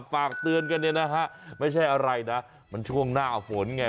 ฝากเตือนกันเนี่ยนะฮะไม่ใช่อะไรนะมันช่วงหน้าฝนไง